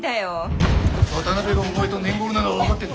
渡辺がお前とねんごろなのは分かってんだ。